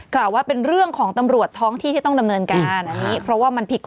กล่าวว่าเป็นเรื่องของตำรวจท้องที่ที่ต้องดำเนินการอันนี้